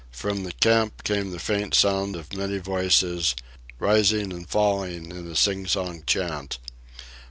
From the camp came the faint sound of many voices, rising and falling in a sing song chant.